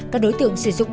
các đối tượng sử dụng